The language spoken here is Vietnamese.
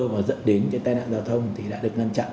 và dẫn đến cái tai nạn giao thông thì đã được ngăn chặn